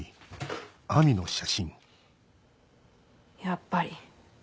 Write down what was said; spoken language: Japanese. やっぱり。